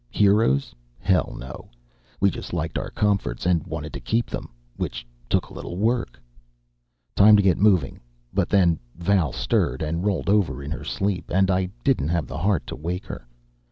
Heroes? Hell, no. We just liked our comforts, and wanted to keep them. Which took a little work. Time to get moving. But then Val stirred and rolled over in her sleep, and I didn't have the heart to wake her.